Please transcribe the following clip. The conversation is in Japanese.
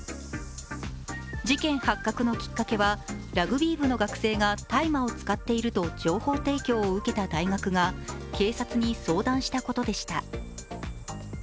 事件発覚のきっかけはラグビー部の学生が大麻を使っていると情報提供を受けた大学が警察に相談したことでした。